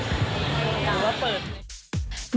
หรือว่าเปิด